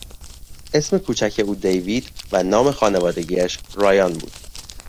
اسم کوچک او دیوید و نام خانوادگیش رایان بود.